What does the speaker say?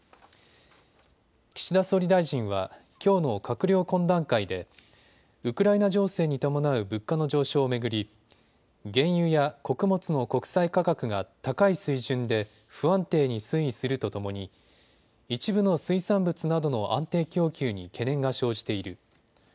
岸田総理大臣はきょうの閣僚懇談会でウクライナ情勢に伴う物価の上昇を巡り原油や穀物の国際価格が高い水準で不安定に推移するとともに一部の水産物などの安定供給に懸念が生じている。